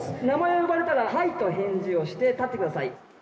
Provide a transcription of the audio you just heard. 名前を呼ばれたら「はい」と返事をして立ってください。